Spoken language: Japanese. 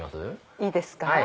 いいですか？